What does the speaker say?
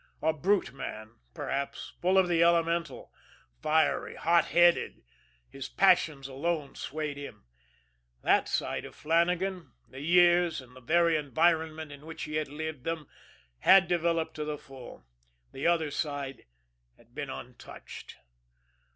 A brute man, perhaps, full of the elemental fiery, hot headed, his passions alone swayed him. That side of Flannagan, the years, in the very environment in which he had lived them, had developed to the full the other side had been untouched.